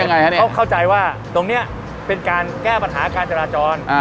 เพราะเข้าใจว่าตรงนี้เป็นการแก้ปัญหาการจราจร